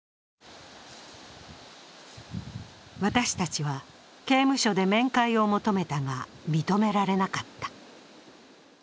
私たちは刑務所で面会を求めたが、認められなかった。